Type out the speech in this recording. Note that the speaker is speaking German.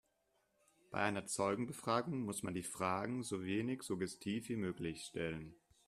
Bei einer Zeugenbefragung muss man die Fragen so wenig suggestiv wie möglich stellen.